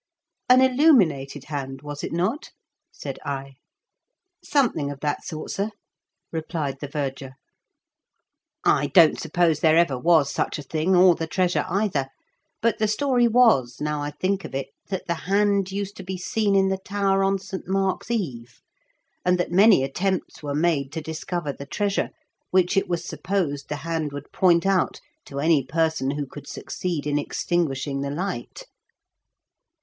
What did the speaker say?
"An illuminated hand, was it not?" said I. " Something of that sort, sir," replied the verger. " I don't suppose there ever was such a thing, or the treasure either ; but the story was, now I think of it, that the hand used to be seen in the tower on St. Mark's Eve, and that many attempts were made to discover the treasure, which it was supposed the hand would point out to any person who could succeed in extinguishing the light."